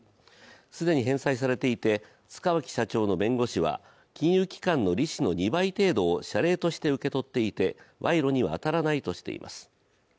既に返済されていて塚脇社長の弁護士は金融機関の利子の２倍程度を謝礼として受け取っていて賄賂には当たらないとしています。